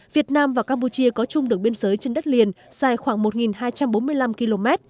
việt nam và campuchia có chung đường biên giới trên đất liền dài khoảng một hai trăm bốn mươi năm km